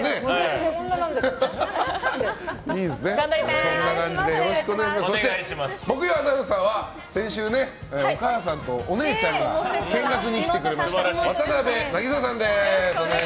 そして木曜アナウンサーは先週、お母さんとお姉ちゃんが見学に来てくれました渡邊渚さんです。